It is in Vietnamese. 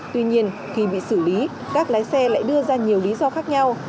tuy nhiên khi bị xử lý các lái xe lại đưa ra nhiều lý do khác nhau